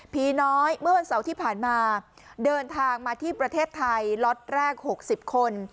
น้อยเมื่อวันเสาร์ที่ผ่านมาเดินทางมาที่ประเทศไทยล็อตแรก๖๐คน